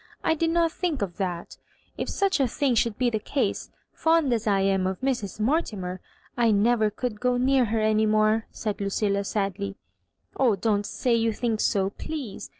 I did not thmk of that If suclf) a thing should be the case, fond as I am of Mrs. Mortimer, 1 never could go near her any more," said LuciUa, sadly. " Oh, don't say you think so, please.